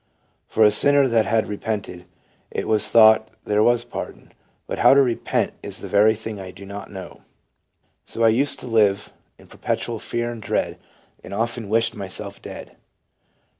'" "For a sinner that had repented, it was thought there was pardon ; but how to repent is the very thing I did not know So I used to live in perpetual fear and dread, and often wished myself dead."